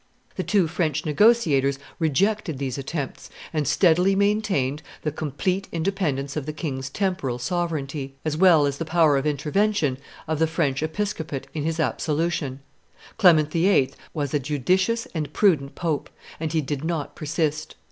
The two French negotiators rejected these attempts, and steadily maintained the complete independence of the king's temporal sovereignty, as well as the power of intervention of the French episcopate in his absolution. Clement VIII. was a judicious and prudent pope; and he did not persist.